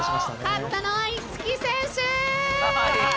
勝ったのはいつき選手！